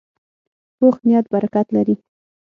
پوخ نیت برکت لري